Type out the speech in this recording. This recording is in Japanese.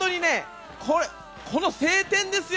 この晴天ですよ！